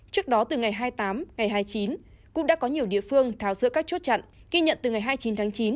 trước đó từ ngày hai mươi tám ngày hai mươi chín cũng đã có nhiều địa phương tháo rỡ các chốt chặn ghi nhận từ ngày hai mươi chín tháng chín